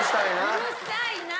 うるさいな！